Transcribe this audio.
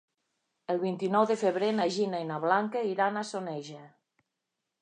El vint-i-nou de febrer na Gina i na Blanca iran a Soneja.